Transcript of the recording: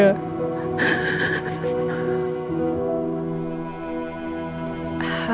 aku pindah ke rumah mereka